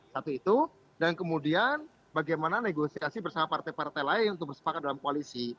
satu itu dan kemudian bagaimana negosiasi bersama partai partai lain untuk bersepakat dalam koalisi